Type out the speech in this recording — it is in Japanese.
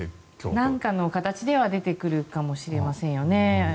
なんかの形では出てくるかもしれませんよね。